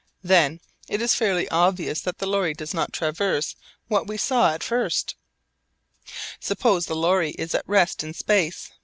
Then it is fairly obvious that the lorry does not traverse what we saw at first. Suppose the lorry is at rest in space β.